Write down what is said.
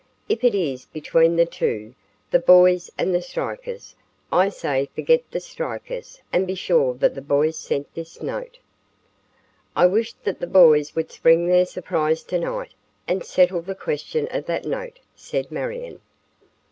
If it is between the two, the boys and the strikers, I say forget the strikers and be sure that the boys sent this note." "I wish that the boys would spring their surprise tonight and settle the question of that note," said Marion.